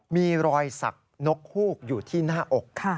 มีรอยสักนกฮูกอยู่ที่หน้าอก